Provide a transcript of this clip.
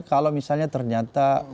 kalau misalnya ternyata